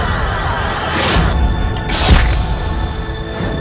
aku akan menempelkan kuditasmu